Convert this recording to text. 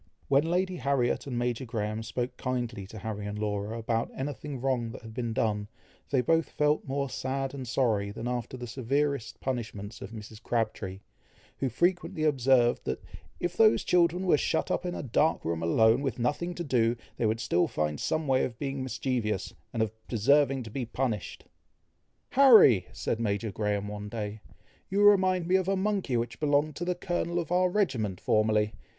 When Lady Harriet and Major Graham spoke kindly to Harry and Laura, about anything wrong that had been done, they both felt more sad and sorry, than after the severest punishments of Mrs. Crabtree, who frequently observed, that "if those children were shut up in a dark room alone, with nothing to do, they would still find some way of being mischievous, and of deserving to be punished." "Harry!" said Major Graham one day, "you remind me of a monkey which belonged to the colonel of our regiment formerly.